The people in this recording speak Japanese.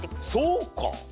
そうか？